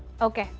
kita akan lihat